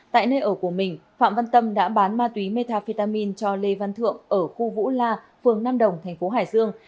tại nơi ở của mình phạm văn tâm đã bán ma túy metafetamin cho lê văn thượng ở khu vũ la phường nam đồng thành phố hải dương